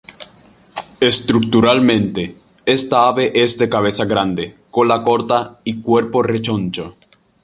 Estructuralmente, esta ave es de cabeza grande, cola corta y cuerpo rechoncho.